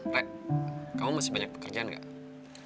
rek kamu masih banyak pekerjaan gak